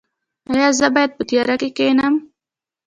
ایا زه باید په تیاره کې کینم؟